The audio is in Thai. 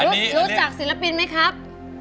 รู้จักศิลปินไหมครับ